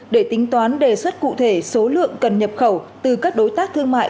để tính toán đề xuất cụ thể số lượng cần nhập khẩu từ các đối tác thương mại